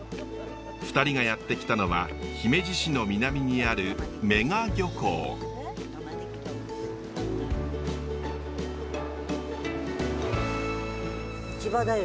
２人がやって来たのは姫路市の南にある市場だよ